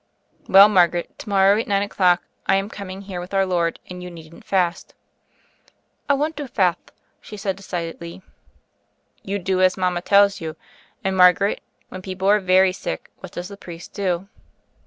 "Well, Margaret, to morrow, at nine o'clock, I am coming here with Our Lord; and you needn't fast." "I want to fatht," she said decidedly. THE FAIRY OF THE SNOWS 107 "You do as mama tells you. And, Mar garet, when people are very sick, what does the priest do?"